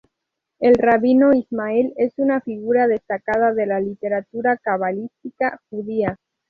El rabino Ismael es una figura destacada de la literatura cabalística judía.